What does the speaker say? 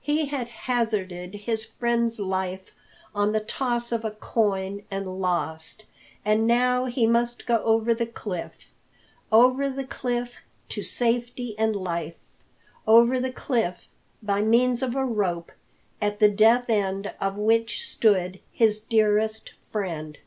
He had hazarded his friend's life on the toss of a coin and lost! And now he must go over the cliff over the cliff to safety and life over the cliff by means of a rope, at the death end of which stood his dearest friend.